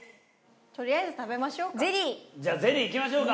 とりあえず食べましょうか。